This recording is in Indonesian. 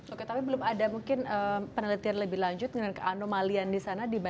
oke tapi belum ada mungkin penelitian lebih lanjut dengan keannomalian di sana